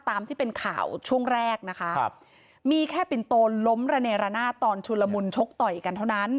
ตามที่เป็นข่าวช่วงแรกนะคะครับมีแค่ปินโตล้มระเนรนาศตอนชุลมุนชกต่อยกันเท่านั้น